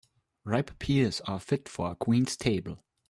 Ripe pears are fit for a queen's table.